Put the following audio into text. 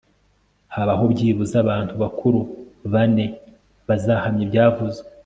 habaho byibuze abantu bakuru bane () bazahamya ibyavuzwe